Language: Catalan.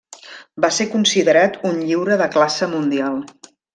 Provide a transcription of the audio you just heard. Va ser considerat un lliure de classe mundial.